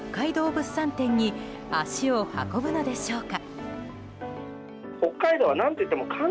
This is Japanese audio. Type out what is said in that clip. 物産展に足を運ぶのでしょうか。